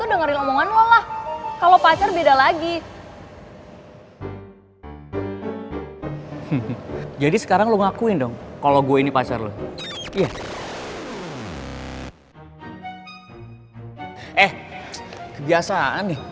eh kebiasaan nih mau kemana sih